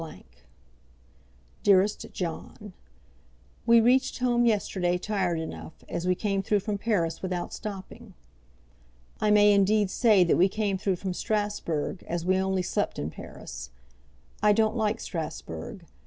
DEAREST JOHN, We reached home yesterday tired enough, as we came through from Paris without stopping. I may indeed say that we came through from Strasbourg, as we only slept in Paris. I don't like Strasbourg.